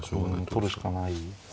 取るしかない。